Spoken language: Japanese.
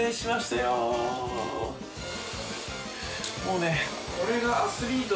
もうね。